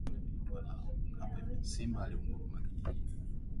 Simba alinguruma kijijini